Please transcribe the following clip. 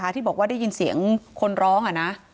ที่บอกว่าได้ยินเสียงคนร้อง